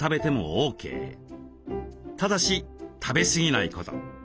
ただし食べすぎないこと。